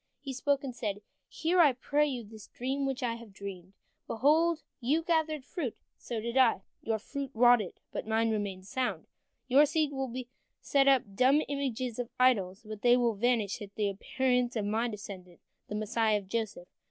He spoke, and said: "Hear, I pray you, this dream which I have dreamed. Behold, you gathered fruit, and so did I. Your fruit rotted, but mine remained sound. Your seed will set up dumb images of idols, but they will vanish at the appearance of my descendant, the Messiah of Joseph.